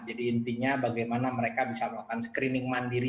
jadi intinya bagaimana mereka bisa melakukan screening mandiri